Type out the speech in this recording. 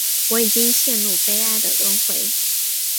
我已经陷入悲哀的轮回